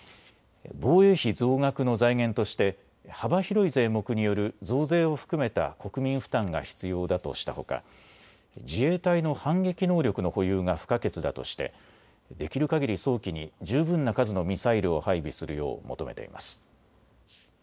防衛費増額の財源として幅広い税目による増税を含めた国民負担が必要だとしたほか自衛隊の反撃能力の保有が不可欠だとして、できるかぎり早期に十分な数のミサイルを配備するよう求めています。